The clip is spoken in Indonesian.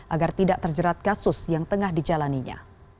agar tidak terjerat kasus yang tengah dijalaninya